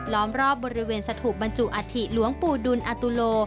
ล้อมรอบบริเวณสถุปบรรจุอาธิล้วงปูดุนอัตุโล